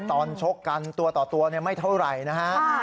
ตอนชกกันตัวต่อตัวไม่เท่าไรนะครับ